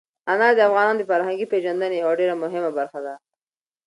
انار د افغانانو د فرهنګي پیژندنې یوه ډېره مهمه برخه ده.